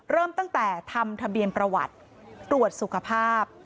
เริ่มตั้งแต่ทำทะเบียนประวัติตรวจสุขภาพ